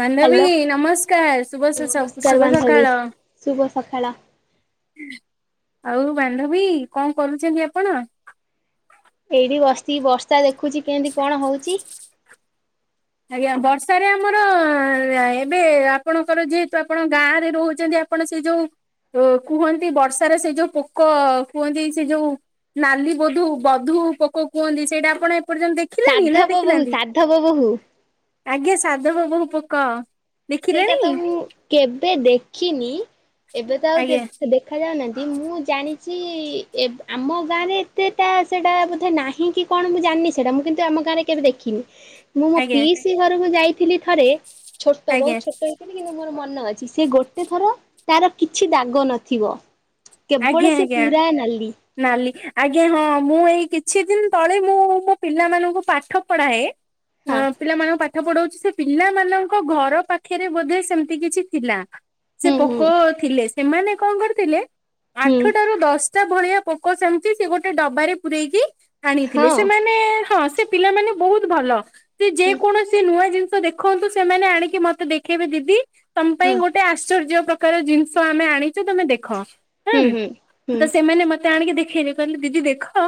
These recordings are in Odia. ବାନ୍ଧବୀ ହ୍ୟାଲୋ ନମସ୍କାର ଶୁଭ-ସ-ସ-ସ ନମସ୍କାର ଶୁଭ ବାନ୍ଧବୀ। ସକାଳ। ଶୁଭ ସକାଳ ଆଉ ବାନ୍ଧବୀ କଣ କରୁଚନ୍ତି ଆପଣ? ଏଇଠି ବସିକି ବର୍ଷା ଦେଖୁଚି କେଏତି କଣ ହୋଉଚି। ଆଜ୍ଞା ବର୍ଷାରେ ଆମର ଏବେ ଆପଣଙ୍କର ଯେହେତୁ ଆପଣ ଗାଁରେ ରହୁଚନ୍ତି। ଆ ପଣ ସେ ଯୋଉ କୁହନ୍ତି ବର୍ଷାରେ ସେ ଯୋଉ ପୋକ କୁହନ୍ତି। ସେ ଯୋଉ ନାଲି ବୋଧୁ ବଧୂ ପୋକ କୁହନ୍ତି ସେଇଟା ଆପଣ ଏପର୍ଯ୍ୟନ୍ତ ଦେ ସାଧବ ବୋହୂ ସାଧବ ବୋହୂ। ଆଜ୍ଞା ସାଧବ ବୋହୂ ପୋକ। ସେଇଟା ଦେଖିଲେଣି ତ ମୁଁ କେବେ ଦେଖିନି ଏବେ ତ ଆଉ ଆଜ୍ଞା ଦେ-ଦେ ଦେଖା ଯାଉନାହାନ୍ତି ମୁଁ ଜାଣିଛି ଏବ୍ ଆମ ଗାଁରେ ଏତେଟା ସେଇଟା ବୋଧେ ନାହିଁ କି କଣ ମୁଁ ଜାଣିନି ସେଟା ମୁଁ କିନ୍ତୁ ଆମ ଗାଁରେ କେବେ ଦେଖିନି ମୁଁ ମୋ ଆଜ୍ଞା ପିଇ ସି ଘରକୁ ଯାଇଥିଲି ଥରେ ତ ଆଜ୍ଞା ଆଜ୍ଞା ବହୁତ ଛୋଟ ହେଇଥିଲି କିନ୍ତୁ ମୋର ମନ ଅଛି ସେ ଗୋଟେ ଥର ତାର କିଛି ଦାଗ ନଥିବ। କେବଳ ଆଜ୍ଞା ସେ ଆଜ୍ଞା। ପୁରା ନାଲି ନାଲି ଆଜ୍ଞା ହଁ ମୁଁ ଏଇ କିଛି ଦିନ ତଳେ ମୁଁ ମୋ ପିଲାମାନଙ୍କୁ ପାଠ ପଢାଏ ହଁ ପିଲାମାନଙ୍କୁ ପାଠ ପଢଉଛି ସେ ପିଲାମାନଙ୍କ ଘର ପାଖରେ ବୋଧେ ସେମତି କିଛି ଥିଲା ସେ ପୋକ ଥିଲେ ସେମାନେ କଅଁ କରିଥିଲେ ଆଠଟା ରୁ ଦଶଟା ଭଳିଆ ପୋକ ସେମିତି ସେ ଗୋଟେ ଡବାରେ ପୂରେଇକି ଆଣିଥିଲେ ସେମାନେ ହଁ ସେ ପିଲାମାନେ ବହୁତ ଭଲ ସେ ଯେକୌଣସି ସେ ନୂଆ ଜିନିଷ ଦେଖନ୍ତୁ ସେମାନେ ଆଣିକି ମତେ ଦେଖେଇବେ ଦିଦି ତମ ପାଇଁ ଗୋଟେ ଆଶ୍ଚର୍ଯ୍ୟ ପ୍ର କାର ଜିନିଷ ଆମେ ଆଣିଚୁ ତମେ ଦେଖ ହଁ ତ ସେମାନେ ମେ ମୋତେ ଆଣିକି ଦେଖେଇଲେ କହିଲେ ଦିଦି ଦେଖ।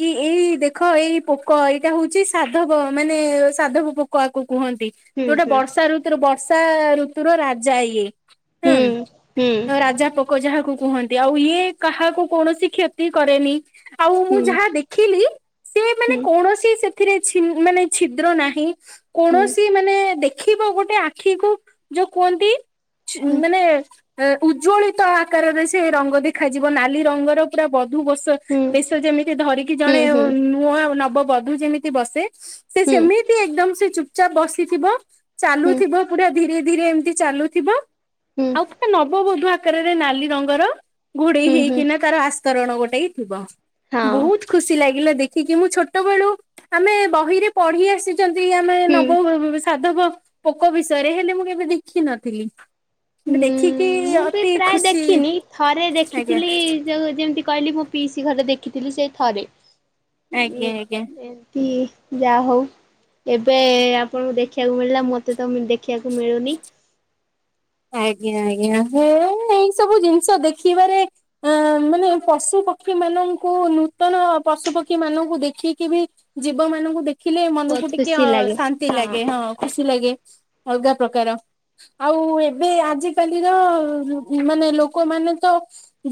କି ଏଇ ଦେଖ ଏଇ ପୋକ ଏଇଟା ହଉଛି ସାଧବ ମାନେ ସାଧବ ପୋକ ଆକୁ କୁହନ୍ତି। ଯୋଉଟା ବର୍ଷା ଋତୁ ବର୍ଷା ଋତୁୁର ରାଜା ଇଏ। ହୁଁ ରାଜା ପୋକ ଯାହାକୁ କୁହନ୍ତି ଆଉ ଇଏ କାହାକୁ କୌଣସି କ୍ଷତି କରେନି ଆଉ ମୁଁ ଯାହା ଦେଖିଲି ସେ ମାନେ କୌଣସି ସେଥିରେ ଛିନ୍ ମାନେ ଛିଦ୍ର ନାହିଁ କୌଣସି ମାନେ ମାନେ ଦେଖିବ ଗୋଟେ ଆଖିକୁୁ ଯୋଉ କୁହନ୍ତି ଛି ମାନେ ଉଜ୍ଜ୍ୱଳିତ ଆକାରରେ ସେ ରଙ୍ଗ ଦେଖାଯିବ ନାଲି ରଙ୍ଗର ପୁରା ବଧୁ ବସ ବେଶ ଯେମିତି ଧରିକି ଜଣେ ନୂଆ ନବବଧୁ ଯେମିତି ବସେ ସେ ସେମି ଏକଦମ୍ ସେ ଚୁପଚାପ ବସିଥିବ ଚାଲୁଥିବ ପୁରା ଧୀରେ ଧୀରେ ଏମିତି ଚାଲୁଥିବ। ଆଉ ପୁରା ନବବୋଧୂ ଆକାରରେ ନାଲି ରଙ୍ଗର ଘୋଡେଇ ହେଇକିନା ତାର ଆସି ତରଣ ଗୋଟେ ହିଁ ଥିବ। ହଁ ବହୁତ ଖୁସି ଲାଗିଲା ଦେଖିକି ମୁଁ ଛୋଟ ବେଳୁ ଆମେ ବହିରେ ପଢି ଆସି ଯେମିକି ଆମେ ହୁଁ ନବ ବ-ବ ସାଧବ ପୋକ ବିଷୟରେ ହେଲେ ମୁଁ କେବେ ଦେଖିନଥିଲି। ମୁଁ ଦେଖିକି ମୁଁ ବି ଅତି ପ୍ରାୟ ଖୁସି ଦେଖିନି ଥରେ ଆଜ୍ଞା ଦେଖିଥିଲି ଯୋଉ ଯେମିତି କହିଲି ମୁଁ ପିଇସି ଘରେ ଦେଖିଥିଲି ସେ ଥରେ। ହୁଁ ଆଜ୍ଞା ଆଜ୍ଞା। ଏମିତି ଯା ହଉ। ଏବେ ଆପଣଙ୍କୁ ଦେଖିବାକୁ ମିଳିଲା ମୋତେ ତ ଦେଖିବାକୁ ମିଳୁନି। ଆଜ୍ଞା ଆଜ୍ଞା ମୋର ଏଇ ସବୁ ଜିନିଷ ଦେଖିବାରେ ଆ ମାନେ ପଶୁ ପକ୍ଷୀ ମାନଙ୍କୁ ନୂତନ ପଶୁ ପକ୍ଷୀ ମାନଙ୍କୁ ଦେଖିକି ବି ଜୀବ ମାନଙ୍କୁ ଦେଖିଲେ ମନକୁ ବହୁତ ଟିକେ ଖୁସି ଅ ଲାଗେ ଶାନ୍ତି ଲାଗେ ହଁ ଖୁସି ଲାଗେ। ଅଲଗା ପ୍ରକାର ଆଉ ଏ ଏବେ ଆଜିକାଲିର ମାନେ ଲୋକମାନେ ତ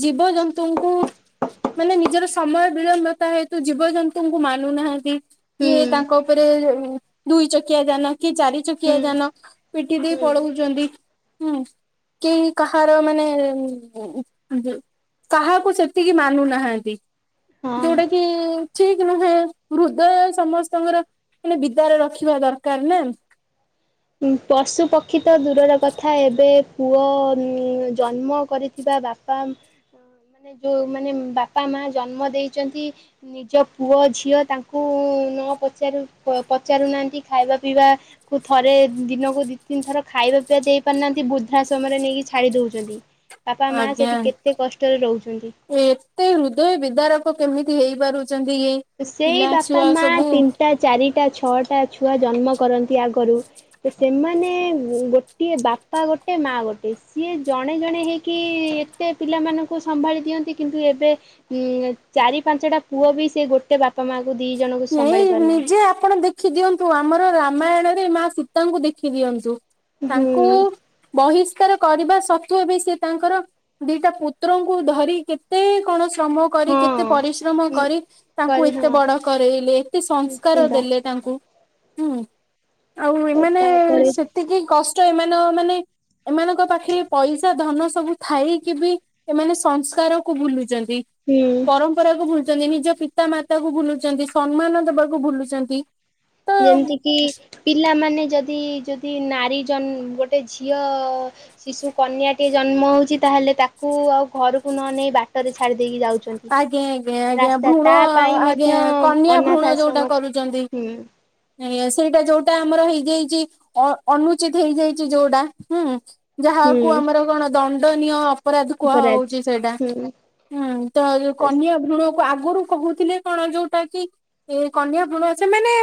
ଜୀବଜନ୍ତୁଙ୍କୁ ମାନେ ନିଜର ସମୟ ବିଳମ୍ବତା ହେତୁ ଜୀବଜନ୍ତୁଙ୍କୁ ମାନୁନାହାନ୍ତି କି ହୁଁ ତାଙ୍କ ତାରେ ଦୁଇ ଚକିଆ ଯାନ କି ଚାରି ହୁଁ ଚକିଆ ଯାନ ପିଟି ଦେଇ ହୁଁ। ପଳଉଚନ୍ତି। ହୁଁ କି କାହାର ମାନେ କାହାକୁ ସେତିକି ମାନୁନାହାନ୍ତି ଯୋଉଟା ହଁ। କି ଠିକ୍ ନୁହେଁ ହୃଦୟ ସମସ୍ତଙ୍କର ମାନେ ବିଦାରେ ରଖିବା ଦରକାର ନା। ପଶୁପକ୍ଷୀ ତ ଦୂରର କଥା ଏବେ ପୁଅ ଜନ୍ମ କରିଥିବା ବାପା ମାନେ ଯୋଉ ବାପା ମା ଜନ୍ମ ଦେଇଚନ୍ତି ନିଜ ପୁଅ ଝିଅ ତାଙ୍କୁ ନ ପଚାରୁ ପଚାରୁନାହାନ୍ତି ଖାଇବା ପିଇବା ବୁଦ୍ ଥରେ ଦିନକୁ ଦି ତିନି ଥର ଖାଇବା ପିଇବା ଦେଇ ପାରୁନାହାନ୍ତି ବୃଦ୍ଧାଶ୍ରମରେ ନେଇକି ଛାଡ଼ି ଦଉଚନ୍ତି। ବାପା ମା ଆଜ୍ଞା ସେଠି କେତେ କଷ୍ଟରେ ରହୁଛନ୍ତି। ଏତେ ହୃଦୟ ବିଦାରକ କେମିତି ହେଇ ପାରୁଚନ୍ତି ଇଏ। ସେଇ ବାପା ମା ତିନଟା ଚାରିଟା ଛଅଟା ଛୁଆ ଜନ୍ମ କରନ୍ତି ଆଗରୁ। ତ ସେମାନେ ଗୋଟିଏ ବାପା ଗୋଟେ ମା ଗୋଟେ ସିଏ ଜଣେ ଜଣେ ହେଇକି ଟେ ପିଲାମାନଙ୍କୁ ସମ୍ଭାଳି ଦିଅନ୍ତି କିନ୍ତୁ ଏବେ ଉଁ, ଏ ଚାରି ପାଞ୍ଚଟା ପୁଅ ବି ସେ ଗୋ ଟେ ବାପା ମାଙ୍କୁ ଦି ଜଣଙ୍କୁ ସମ୍ଭାଳି ଏଇ ନିଜେ ପାରୁନାହାନ୍ତି। ଆପଣ ଦେଖି ଦିଅନ୍ତୁ ଆମର ରାମାୟଣ ରେ ମା ସୀତାଙ୍କୁ ଦେଖି ଦିଅନ୍ତୁ। ତାଙ୍କୁ ହୁଁ ବହିଷ୍କାର କରିବା ସତ୍ତ୍ବେ ବି ସେ ତାଙ୍କର ଦିଟା ପୁତ୍ରଙ୍କୁ ଧରି କେତେ କଣ ଶ୍ରମ କରି କେତେ ପରିଶ୍ରମ ହଁ କରି ତାଙ୍କୁ କରି ଏତେ ହଁ ବଡ଼ କରେଇଲେ, ଏତେ ସଂସ୍କାର ନିଶ୍ଚିନ୍ତ। ଦେଲେ ତାଙ୍କୁ ହୁଁ ଆଉ ଏମାନେ ତାପରେ ସେତିକି କଷ୍ଟ ଏମାନେ ଓ ମାନେ ଏମାନଙ୍କ ପାଖରେ ପଇସା ଧନ ସବୁ ଥାଇକି ବି ଏମାନେ ସଂସ୍କାର କୁ ଭୁଲୁଚନ୍ତି। ହଁ। ପରମ୍ପରା କୁ ଭୁଲୁଚନ୍ତି, ନିଜ ପିତା ମାତା କୁ ଭୁଲୁଛନ୍ତି, ସମ୍ମାନ ଦବାକୁ ଭୁଲୁଛନ୍ତି। ଯେମିତି କିି ପିଲାମାନେ ଯଦି ଯଦି ନାରୀ ଜନ ଗୋଟେ ଝିଅ ଶିଶୁ କନ୍ୟାଟିଏ ଜନ୍ମ ହଉଛି ତାହାଲେ ତାକୁ ଆଉ ଘରକୁ ନ ନେଇ ବାଟ ରେ ଛାଡି ଦେଇକି ଯାଉଛନ୍ ଆଜ୍ଞା, ଆଜ୍ଞା, ଆଜ୍ଞା, ଭୃଣ ମଧ୍ୟ ଆଜ୍ଞା କନ୍ୟା ଅନାଥ ଭୃଣ ଯୋଉଟା ଆଶ୍ରମ କରୁଚନ୍ତି। ହୁଁ ଏଇଆ ସେଇଟା ଯୋଉଟା ଆମର ହେଇଯାଇଚି। ଅ- ଅନୁଚିତ ହେଇଯାଇଛି ଯୋଉଟା ହୁଁ, ଯାହାକୁ ହୁଁ ଆମର କଣ ଦଣ୍ଡନୀୟ ଅପରାଧ କୁହା ହଉଛି ସେଇଟା। ହୁଁ, ତ ଯୋଉ କନ୍ୟା ଭୃଣ କୁ ଆଗରୁ କହୁଥିଲେ କଣ ଯୋଉଟା କି ଏଇ କନ୍ୟା ଭ୍ରୁଣ ସେମାନେ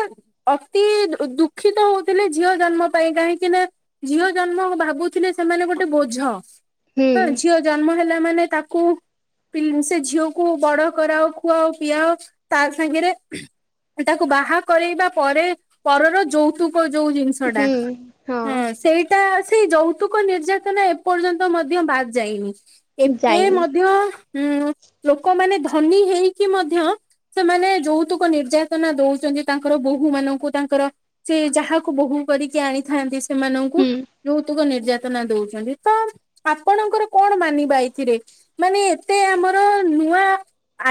ଅତି ଦୁଃଖିତ ହଉଥିଲେ ଝିଅ ଜନ୍ମ ପାଇଁ କାହିଁକି ନା ଝିଅ ଜନ୍ମ ଭାବୁଥିଲେ ସେମାନେ ଗୋଟେ ବୋଝ। ହୁଁ ହଁ ଝିଅ ଜନ୍ମ ହେଲା ମାନେ ତାକୁ ପିଲ୍ ସେ ଝିଅକୁୁ ବଡ କରାଅ ଖୁଆଅ ପିଆଅ ତା ସାଙ୍ଗରେ ଓ ତାକୁ ବାହା କରେଇବା ପରେ ପରର ଯୌତୁକ ଯୋଉ ଜିନି ଷଟା ହୁଁ ହଁ ସେଇ ତା ସେଇ ଯୌତୁକ ନିର୍ଯାତନା ଏପର୍ଯ୍ୟନ୍ତ ମଧ୍ୟ ବାଦ୍ ଯାଇନି। ଏତେ ଯାଇନି ମଧ୍ୟ ହୁଁ, ଲୋକମାନେ ଧନୀ ହେଇକି ମଧ୍ୟ ସେମାନେ ଯୌତୁକ ନିର୍ଯାତନା ଦଉଛନ୍ତି ତାଙ୍କର ବୋହୂ ମାନଙ୍କୁ, ତାଙ୍କର ସେ ଯାହାକୁ ବୋହୂ କରିକି ଆଣିଥାନ୍ତି ସେମାନଙ୍କୁ ହୁଁ ଯୌତୁକ ନିର୍ଯାତନା ଦଉଛନ୍ତି। ତ ଆପଣଙ୍କର କଣ ମାନିବା ଏଇଥିରେ? ମାନେ ଏତେ ଆମର ନୂଆ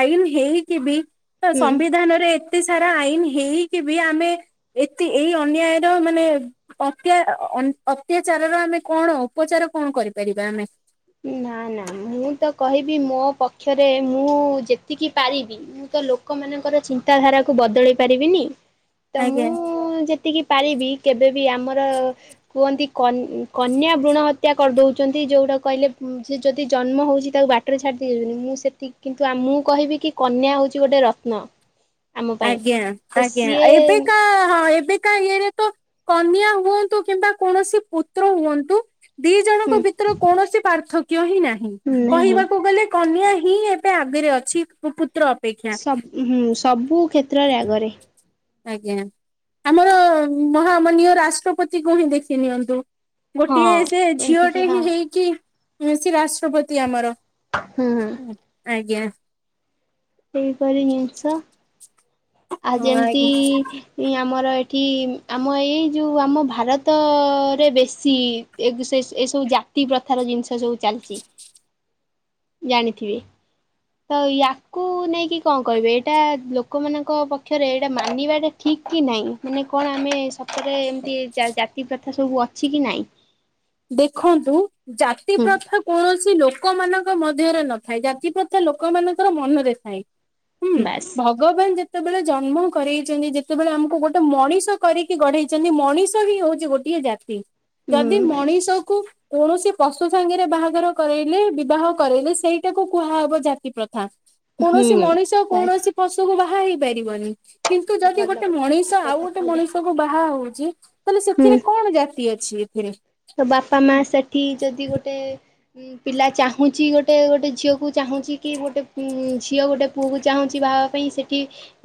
ଆଇନ ହେଇକି ବି ତ ହୁଁ। ସମ୍ବିଧାନରେ ଏତେ ସାରା ଆଇନ ହେଇକି ବି ଆମେ ଏତେ ଏଇ ଅନ୍ୟାୟର ମାନେ ଅତ୍ୟା ଆ, ଅ, ଅନ୍ ଅତ୍ୟାଚାରର ଆମେ କଣ ଉପଚାର କଣ କରିପାରିବା ଆମେ? ନା ନା ମୁଁ ତ କହିବି ମୋ ପକ୍ଷରେ ମୁଁ ଯେତିକି ପାରିବି ମୁଁ ତ ଲୋକମାନଙ୍କର ଚିନ୍ତାଧାରା କୁ ବଦଳେଇ ପାରିବିନି। ତ ଆଜ୍ଞା ମୁଁ ଯେ ତିକି ପାରିବି କେବେ ବି ଆମର କୁହନ୍ତି କନ୍ ଉଁ, କନ୍ୟା ଭୃଣ ହତ୍ୟା କରିଦଉଚନ୍ତି ଯୋଉଟା କହିଲେ ଉଁ, ଯିଏ ଯଦି ଜନ୍ମ ହଉଛି ତାକୁ ବାଟରେ ଛାଡ଼ିଦେଇ ଯାଉଚନ୍ତି ମୁଁ ସେତିକି କିନ୍ତୁ ଆ, ମୁଁ କହିବି କି କନ୍ୟା ହୋଉଛି ଗୋଟେ ରତ୍ନ। ଆମ ପାଇଁ ଆଜ୍ଞା ତ ଆଜ୍ଞା ସିଏ ଏବେକା ହଁ ଏବେକା ଇଏ ରେ ତ କନ୍ୟା ହୁଅନ୍ତୁ କିମ୍ବା କୌଣସି ପୁତ୍ର ହୁଅନ୍ତୁ। ଦି ଜଣଙ୍କ ହୁଁ ଭିତରୁ କୌଣସି ପାର୍ଥକ୍ୟ ହିଁ ନାହିଁ ନାହିଁ କହିବାକୁ ଗଲେ କନ୍ୟା ହିଁ ଏବେ ଆଗରେ ଅଛି ପୁ ପୁତ୍ର ଅପେକ୍ଷା ସବ ହୁଁ ସବୁ କ୍ଷେତ୍ରରେ ଆଗରେ। ଆଜ୍ଞା ଆମର ମହାମନିୟ ରାଷ୍ଟ୍ରପତିକୁ ହିଁ ଦେଖି ନିଅନ୍ତୁ। ଗୋଟିଏ ହଁ ସେ ଯେମିତିକି ଝିଅଟେ ହିଁ ହଁ ହେଇକି ସେ ରାଷ୍ଟ୍ରପତି ଆମର। ହୁଁ ହୁଁ ଆଜ୍ଞା। ସେଇ ପରି ଜିନିଷ ଆଉ ହଁ ଯେମ୍ତି ଆଜ୍ଞା। ଇଁ ଆମର ଏଠି ଆମ ଏଇ ଯୋଉ ଆମ ଭାରତରେ ବେଶୀ। ଏବ୍ ସେ ଏସବୁ ଜାତି ପ୍ରଥାର ଜିନିଷ ସବୁ ଚାଲିଚି। ଜାଣିଥିବେ। ତ ୟାକୁ ନେଇକି କଁ କହିବେ ଏଇଟା ଲୋକମାନଙ୍କ ପକ୍ଷରେ ଏଇଟା ମାନିବାଟା ଠିକ୍ କି ନାହିଁ ମାନେ କଣ ଆମେ ସତରେ ଏମିତି ଜା ଜାତି ପ୍ରଥା ସବୁ ଅଛି କି ନାଇଁ? ଦେଖନ୍ତୁ ଜାତି ହୁଁ ପ୍ରଥା କୌଣସି ଲୋକ ମାନଙ୍କ ମଧ୍ୟରେ ନଥାଏ ଜାତି ପ୍ରଥା ଲୋକମାନଙ୍କର ମନରେ ଥାଏ। ହୁଁ ବାସ୍ ଭ ଗବାନ ଯେତେବେଳେ ଜନ୍ମ କରେଇଚନ୍ତି ଯେତେବେଳେ ଆମକୁ ଗୋଟେ ମଣିଷ କରିକି ଗଢ଼େଇଛନ୍ତି ମଣିଷ ହିଁ ହଉଛି ଗୋ ଟିଏ ଜାତି ହୁଁ ଯଦି ବାସ୍ ମଣିଷ୍ କୁ କୌଣସି ପଶୁ ସାଙ୍ଗରେ ବାହାଘର କରାଇଲେ ବିବାହ କରାଇଲେ ସେଇଟାକୁ କୁହାହବ ଜାତି ପ୍ର ହୁଁ କୌଣସି ମଣିଷ ବାସ୍ କୌଣସି ପଶୁକୁ ବାହା ହେଇ ପାରିବନି କିନ୍ତୁ ଯଦି ଭଲ ଗୋଟେ ମଣିଷ ଠିକ୍ ଆଉ କଥା ଗୋଟେ କହିଲେ ମଣିଷ କୁ ବାହା ହୋଉଛି ତାହେଲେ ହୁଁ ସେଥିରେ କଣ ଜାତି ଅଛି ଏଥିରେ? ତ ବାପା ମା ସେଠି ଯଦି ଗୋଟେ ପିଲା ଚାହୁଁଛି ଗୋଟେ ଗୋଟେ ଝିଅକୁ ଚାହୁଁଛି କି ଗୋଟେ ଝିଅ ଗୋଟେ ପୁଅକୁ ଚାହୁଁଛି ବାହାହବା ପାଇଁ ସେଠି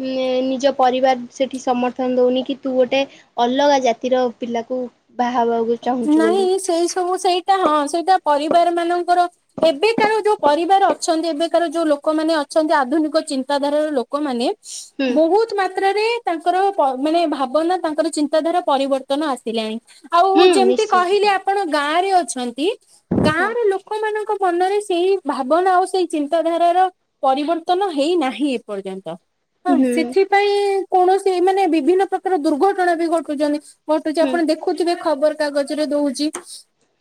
ଇଏଁ ନିଜ ପରିବାର ସେଠି ସମର୍ଥନ ଦଉନି କି ତୁ ଗୋଟେ ଅଲଗା ଜାତିର ପିଲାକୁ ବାହାହବାକୁ ନାଇଁ ସେଇ ସବୁ ସେଇଟା ହଁ ସେଇଟା ପରିବାର ମାନଙ୍କର ଏବେକାର ଯୋଉ ପରିବାର ଅଛନ୍ତି ଏବେକାର ଯୋଉ ଲୋକମାନେ ଅଛନ୍ତି ଆଧୁନିକ ଚିନ୍ତାଧାରାର ଲୋ କମାନେ ହୁଁ ବୋହୁତ ମା ତ୍ରା ରେ ତାଙ୍କର ପ ମାନେ ଭାବନା ତାଙ୍କର ଚିନ୍ତାଧାରା ପରିବର୍ତ୍ତନ ଆସିଲାଣି ଆଉ ହୁଁ ଯେମତି କହିଲେ ନିଶ୍ଚିନ୍ତ ଆପଣ ଗାଁ ରେ ଅଛନ୍ତି ଗାଁର ହଁ ଲୋ କମାନଙ୍କ ମନରେ ସେଇ ଭାବନା ଆଉ ସେଇ ଚିନ୍ତାଧାରାର ପରିବର୍ତ୍ତନ ହେଇନାହିଁ ଏପର୍ଯ୍ୟନ୍ତ। ହଁ ସେଥିପାଇଁ କୌଣସି ମାନେ ବିଭିନ୍ନ ପ୍ରକାର ଦୁର୍ଘଟଣା ବି ଘଟୁଚନ୍ତି। ଘଟୁଚି ହୁଁ ଆପଣ ଦେଖୁଥିବେ ଖବର କାଗଜରେ ଦଉଛି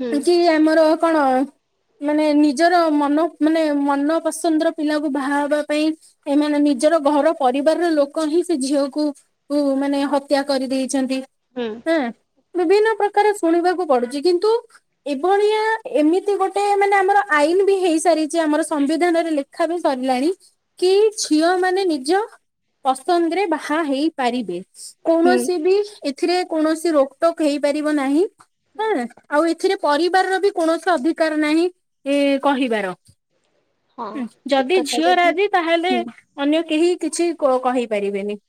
ହୁଁ ଯେ ଆମର କଣ ମାନେ ନିଜର ମନ ମାନେ ମନ ପସନ୍ଦର ପିଲାକୁ ବାହା ହବା ପାଇଁ ଏମାନେ ନିଜର ଘର ପରିବାରର ଲୋକ ହିଁ ସେ ଝିଅକୁ ଉ ମାନେ ହତ୍ୟା କରି ଦେଇଛନ୍ତି। ହୁଁ। ଏଁ ବିଭିନ୍ନ ପ୍ରକାର ଶୁଣିବାକୁ ପଡ଼ୁଚି କିନ୍ତୁ ଏଭଳିଆ ଏମିତି ଗୋଟେ ମାନେ ଆମର ଆଇନ ବି ହେଇସାରିଛି ଆମର ସମ୍ବିଧାନରେ ଲେ ଖିଆପିଆ ସରିଲାଣି କି ଝିଅ ମାନେ ନିଜ ପସନ୍ଦରେ ବାହା ହେଇପାରିବେ। କୌଣସି ବି ଏଥିରେ କୌଣସି ରୋକଟୋକ ହେଇପାରିବ ନାହିଁଁ ହୁଁ ଏଁ ଆଉ ଏଥିରେ ପରିବାରର ବି କୌଣସି ଅଧିକାର ନାହିଁ ଏ କହିବାର। ହଁ ହୁଁ ଠିକ ଯଦି କଥା ଝିଅ ଯଦି ରାଜି ତାହେଲେ ହୁଁ ଅନ୍ୟ କେହି କିଛି କ କହିପାରିବେନି।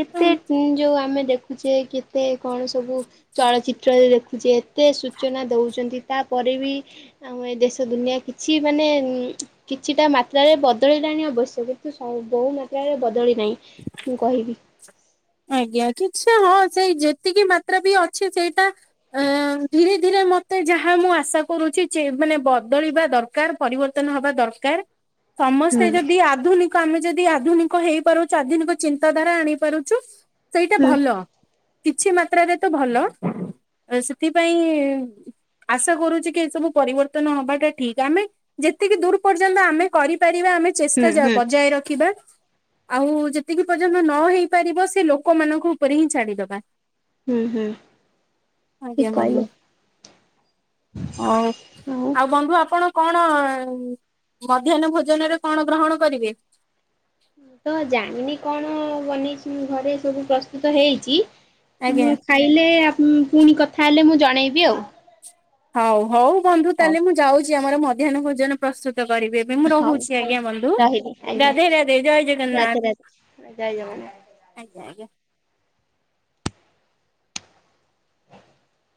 ଏତେ ଉଁ ଯୋଉ ଆମେ ଦେଖୁଛେ କେତେ କଣ ସବୁ ଚଳଚିତ୍ରରେ ଦେଖୁଛେ ଏତେ ସୂଚନା ଦଉଛନ୍ତି ତାପରେ ବି ଆମ ଏ ଦେଶ ଦୁନିଆ କିଛି ମାନେ ଉଁ କିଛିଟା ମାତ୍ରାରେ ବଦଳିଲାଣି ଅବଶ୍ୟ କିନ୍ତୁ ସ ବହୁ ମାତ୍ରାରେ ବଦଳି ନାହିଁ। ମୁଁ କହିବି। ଆଜ୍ଞା କିଛି ହଁ ସେଇ ଯେତିକି ମାତ୍ରା ବି ଅଛି ସେଇଟା ଆଁ ଧୀରେ ଧୀରେ ମତେ ଯାହା ମୁଁ ଆଶା କରୁଛି ଯେ ମାନେ ବଦଳିବା ଦର ଦରକାର ପରିବର୍ତ୍ତନ ହବା ଦରକାର ସମସ୍ତେ ହୁଁ ଯଦି ଆଧୁନିକ ଆମେ ଯଦି ଆଧୁନିକ ହେଇପାରୁ ସ୍ୱାଧୀନିକ ଚିନ୍ତାଧାରା ଆଣି ପାରୁଛୁ ସେଇଟା ହୁଁ ଭଲ। କିଛି ମାତ୍ରାରେ ତ ଭଲ ଉଁ ସେଥିପାଇଁ ଆଶା କରୁଛି କି ଏସବୁ ପରିବର୍ତ୍ତନ ହବାଟା ଠିକ ଆମେ ଯେତିକି ଦୂର୍ ପର୍ଯ୍ୟନ୍ତ ଆମେ କରିପାରିବା ଆମେ ଚେଷ୍ଟା ଜ ହୁଁ ବଜାୟ ରଖିବା। ଆଉ ଯେତିକି ପର୍ଯ୍ୟନ୍ତ ନ ହେଇ ପାରିବ ସେ ଲୋକମାନଙ୍କ ଉପରେ ହିଁ ଛାଡିଦବା। ହୁଁ। ଠିକ ଆଜ୍ଞା ବନ୍ଧୁ କହିଲେ ହଉ। ଆଉ ବନ୍ଧୁ ଆପଣ କଣ ଅଁ ମଧ୍ୟାହ୍ନ ଭୋଜନରେ କଣ ଗ୍ରହଣ କରିବେ? ମୁଁ ତ ଜାଣିନି କଣ ବନେଇସିନ୍ତି ଘରେ ସବୁ ପ୍ରସ୍ତୁତ ହେଇଛି ଆଜ୍ଞା ମୁଁ ଖାଇଲେ ପୁଣି କଥା ହେଲେ ମୁଁ ଜଣାଇବି ଆଉ। ହଉ ହଉ ବନ୍ଧୁ ହଉ ତାହେଲେ ମୁଁ ଯାଉଛି ଆମର ମଧ୍ୟାହ୍ନ ଭୋଜନ ପ୍ରସ୍ତୁତ କରିବି। ମୁଁ ହଉ ରହୁଛି ହଉ ଆଜ୍ଞା ବନ୍ଧୁ ରହିଲି ଆଜ୍ଞା ରାଧେ ରାଧେ ଜୟ ରାଧେ ଜଗନ୍ନାଥ। ରାଧେ। ଜୟ ଜଗନ୍ନାଥ। ଆଜ୍ଞା ଆଜ୍ଞା।